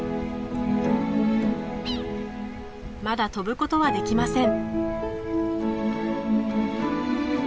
まだ飛ぶことはできません。